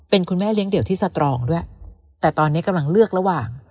เป็นคุณแม่เลี้ยงเดี่ยวที่สตรองด้วยแต่ตอนนี้กำลังเลือกระหว่าง